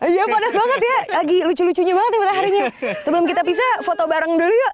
iya panas banget ya lagi lucu lucunya banget nih mataharinya sebelum kita pisah foto bareng dulu yuk